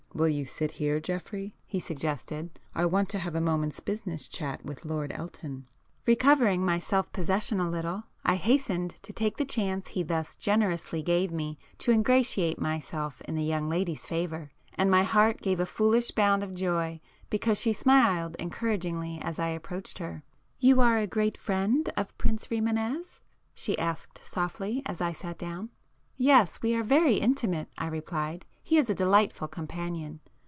"Will you sit here Geoffrey?" he suggested—"I want to have a moment's business chat with Lord Elton." Recovering my self possession a little, I hastened to take the chance he thus generously gave me to ingratiate myself in the young lady's favour, and my heart gave a foolish bound of joy because she smiled encouragingly as I approached her. "You are a great friend of Prince Rimânez?" she asked softly, as I sat down. "Yes, we are very intimate," I replied—"He is a delightful companion."